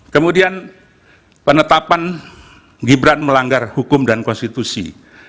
kemudian penetapan gibran melanggar hukum dan konstitusi